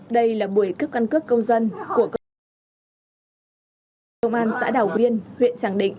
đây là buổi cấp căn cước công dân của công an xã đảo biên huyện tràng định